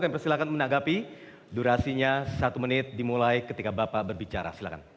bersilakan menganggap durasinya satu menit dimulai ketika bapak berbicara